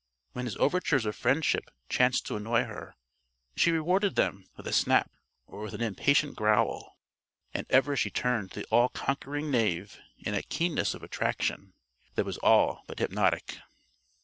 When his overtures of friendship chanced to annoy her, she rewarded them with a snap or with an impatient growl. And ever she turned to the all conquering Knave in a keenness of attraction that was all but hypnotic.